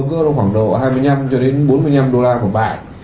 cứ khoảng độ hai mươi năm cho đến bốn mươi năm đô la của bạn